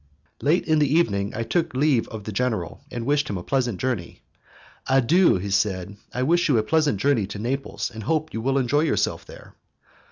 Late in the evening I took leave of the general, and wished him a pleasant journey. "Adieu," he said, "I wish you a pleasant journey to Naples, and hope you will enjoy yourself there."